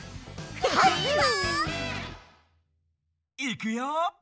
いくよ！